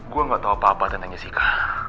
gue gak tau apa apa tentang jessica